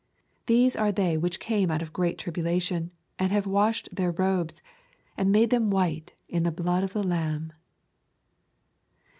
These are they which came out of great tribulation, and have washed their robes, and made them white in the blood of the Lamb.'